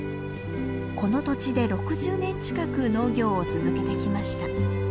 この土地で６０年近く農業を続けてきました。